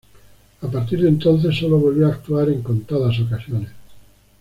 A partir de entonces sólo volvió a actuar en contadas ocasiones.